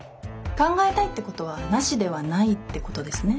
考えたいってことはナシではないってことですね？